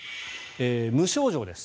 無症状です。